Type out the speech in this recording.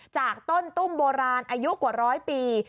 จากต้นตุ้มโบราณอายุกว่าร้อยปี